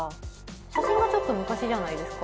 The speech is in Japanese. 写真がちょっと昔じゃないですか。